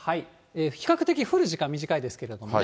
比較的降る時間短いですけれどもね。